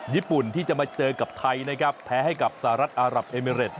ญี่ปุ่นที่จะมาเจอกับไทยนะครับแพ้ให้กับสหรัฐอารับเอมิเรต